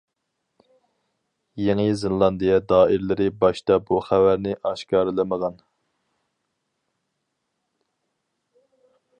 يېڭى زېلاندىيە دائىرىلىرى باشتا بۇ خەۋەرنى ئاشكارىلىمىغان.